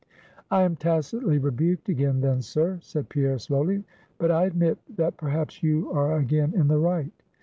"I am tacitly rebuked again then, sir," said Pierre, slowly; "but I admit that perhaps you are again in the right.